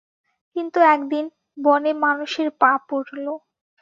কিন্তু একদিন, বনে মানুষের পা পড়লো।